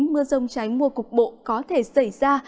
mưa rông trái mùa cục bộ có thể xảy ra